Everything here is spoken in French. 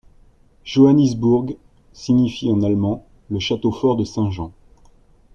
Johannisburg signifie en allemand, le château fort de saint Jean.